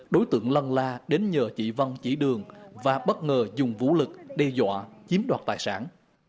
đối tượng lăng la đến nhờ chị văn chỉ đường và bất ngờ dùng vũ lực đe dọa chiếm đoạt tài sản